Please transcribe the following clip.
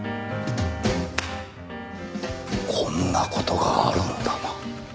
こんな事があるんだな。